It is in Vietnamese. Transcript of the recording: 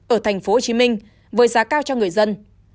ở tp hcm với giá cao cho người dân